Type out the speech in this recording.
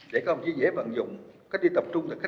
để không dễ dễ vận dụng cách ly tập trung là cách ly